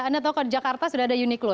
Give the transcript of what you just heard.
anda tahu kalau di jakarta sudah ada uniqlo